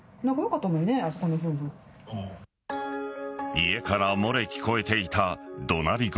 家から漏れ聞こえていた怒鳴り声